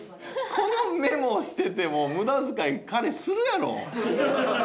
このメモをしてても無駄遣い彼するやろ！